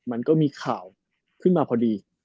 มันก็มีข่าวขึ้นมาพอดี